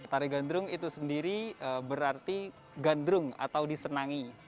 tari ganrung itu sendiri berarti ganrung atau disenangi